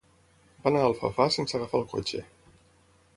Va anar a Alfafar sense agafar el cotxe.